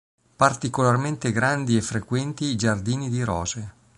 Particolarmente grandi e frequenti i giardini di rose.